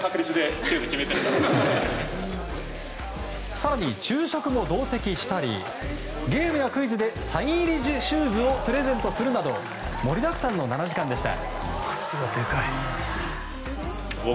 更に、昼食も同席したりゲームやクイズでサイン入りシューズをプレゼントするなど盛りだくさんの７時間でした。